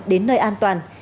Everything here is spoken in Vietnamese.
đến nơi an toàn